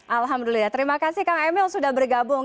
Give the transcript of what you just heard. alhamdulillah terima kasih kang emil sudah bergabung